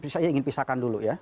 saya ingin pisahkan dulu ya